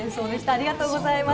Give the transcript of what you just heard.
ありがとうございます。